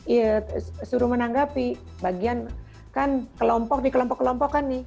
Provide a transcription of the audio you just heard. ya suruh menanggapi bagian kan kelompok di kelompok kelompok kan nih